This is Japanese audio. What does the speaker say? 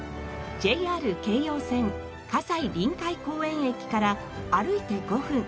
ＪＲ京葉線西臨海公園駅から歩いて５分。